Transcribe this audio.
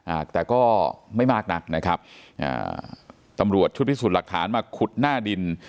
อ่าแต่ก็ไม่มากนักนะครับอ่าตำรวจชุดพิสูจน์หลักฐานมาขุดหน้าดิน